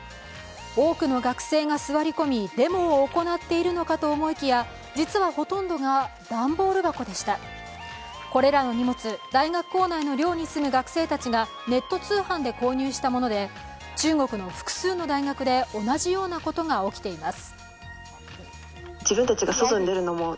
多くの学生が座り込み、デモを行っているのかと思いきや実は、ほとんどが段ボール箱でしたこれらの荷物、大学構内の寮に住む学生たちがネット通販で購入したもので中国の複数の大学で同じようなことが起きています。